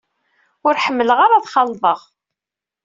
Ur ḥemmleɣ ara ad t-xalḍeɣ.